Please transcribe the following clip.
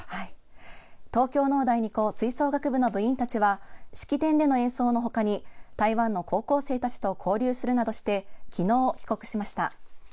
東京農大二高吹奏楽部の部員たちは式典での演奏の他に、台湾の高校生たちと交流するなどして昨日、帰国しました。